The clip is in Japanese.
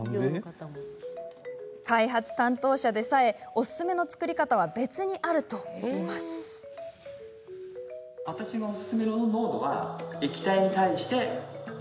開発担当者でさえ、おすすめの作り方は別にあるというんです。